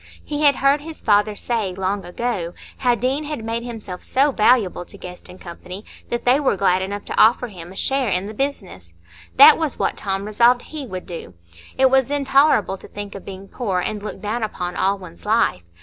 He had heard his father say, long ago, how Deane had made himself so valuable to Guest & Co. that they were glad enough to offer him a share in the business; that was what Tom resolved he would do. It was intolerable to think of being poor and looked down upon all one's life.